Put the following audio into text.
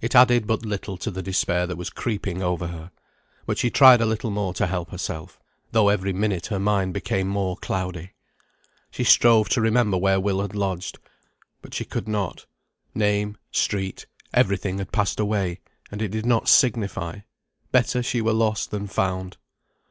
It added but little to the despair that was creeping over her. But she tried a little more to help herself, though every minute her mind became more cloudy. She strove to remember where Will had lodged, but she could not; name, street, every thing had passed away, and it did not signify; better she were lost than found.